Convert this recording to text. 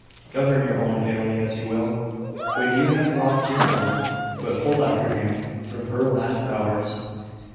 Govern your own family as you will, when you have lost your mother; but hold off your hand from her last hours."